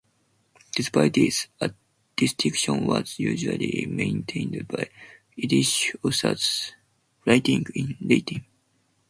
Despite this, a distinction was usually maintained by Irish authors writing in Latin.